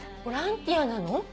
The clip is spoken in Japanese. ボランティアなの？